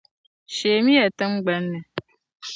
Sheemi ya tiŋgbani ni.